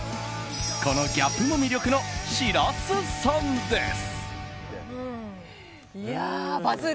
このギャップも魅力の白洲さんです。